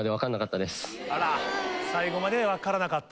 あら最後まで分からなかった。